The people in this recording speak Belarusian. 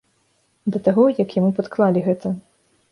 Да таго, як яму падклалі гэта.